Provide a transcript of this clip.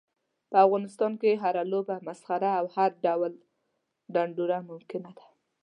په افغانستان کې هره لوبه، مسخره او هر ډول ډنډوره ممکنه ده.